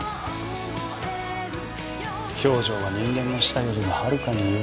表情は人間の舌よりもはるかに雄弁。